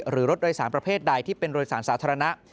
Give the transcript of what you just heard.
หรือรถโดยสารประเภทใดที่เป็นโดยสารสาธารณะ